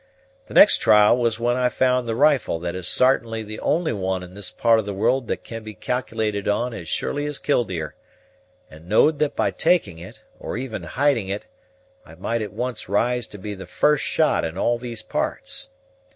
The next trial was when I found the rifle that is sartainly the only one in this part of the world that can be calculated on as surely as Killdeer, and knowed that by taking it, or even hiding it, I might at once rise to be the first shot in all these parts.